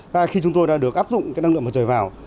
và khi chúng tôi đã được áp dụng cái năng lượng mặt trời vào